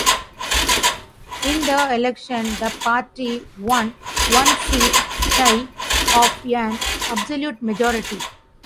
In the election the party won one seat shy of an absolute majority.